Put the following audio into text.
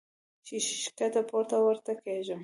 چې ښکته پورته ورته کېږم -